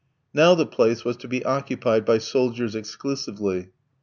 Now the place was to be occupied by soldiers exclusively.